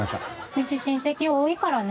うち親戚多いからね。